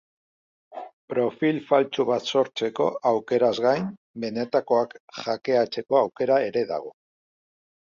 Profil faltsu bat sortzeko aukeraz gain, benetakoak hackeatzeko aukera ere dago.